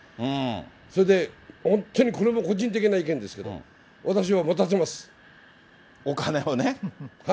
それで本当にこれも個人的な意見ですけれども、お金をね。